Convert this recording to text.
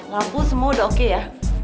lampu semua udah oke ya